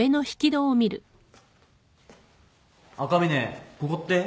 赤嶺ここって？